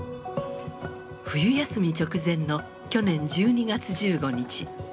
冬休み直前の去年１２月１５日。